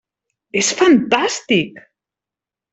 És fantàstic!